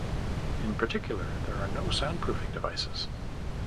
In particular, there are no soundproofing devices.